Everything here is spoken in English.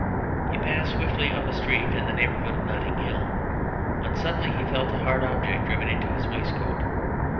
He passed swiftly up a street in the neighbourhood of Notting Hill, when suddenly he felt a hard object driven into his waistcoat.